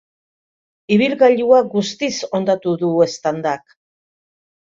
Ibilgailua guztiz hondatu du eztandak.